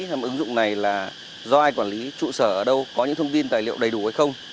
xem ứng dụng này là do ai quản lý trụ sở ở đâu có những thông tin tài liệu đầy đủ hay không